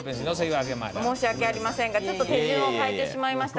申し訳ありませんが、ちょっと手順を変えてしまいました。